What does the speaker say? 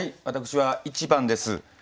私は１番です。